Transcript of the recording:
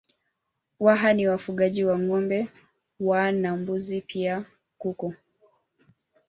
Waha ni wafugaji wa Ngombe wa na mbuzi pia kuku